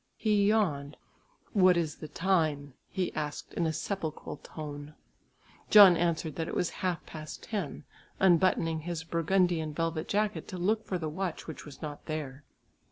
He yawned. "What is the time?" he asked in a sepulchral tone. John answered that it was half past ten, unbuttoning his Burgundian velvet jacket to look for the watch which was not there.